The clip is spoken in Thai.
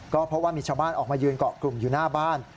ก็เพราะว่ามีชาวบ้านออกมายืนเกาะกลุ่มอยู่หน้าบ้าน